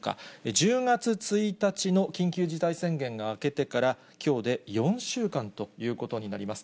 １０月１日の緊急事態宣言が明けてから、きょうで４週間ということになります。